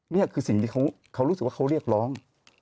นี่คือสิ่งที่เขารู้สึกว่าเขาเรียกร้อง